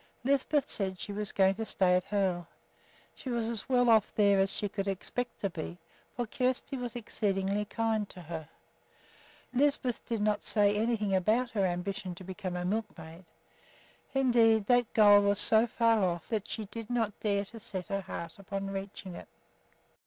Lisbeth said that she was going to stay at Hoel. She was as well off there as she could expect to be, for Kjersti was exceedingly kind to her. Lisbeth did not say anything about her ambition to become a milkmaid. Indeed, that goal was so far off that she did not dare to set her heart upon reaching it.